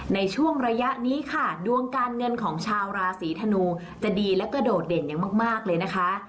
ในช่วงระยะนี้ค่ะดวงการเงินของชาวราศีธนูจะดีแล้วก็โดดเด่นอย่างมากเลยนะคะ